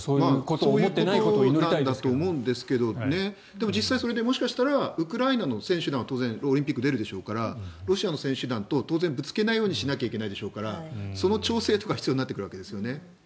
そういうことだと思うんですけど実際にウクライナの選手団はオリンピックに出るでしょうからロシアの選手団と当然ぶつけないようにしないといけないでしょうからその調整とか必要になってくるわけですよね。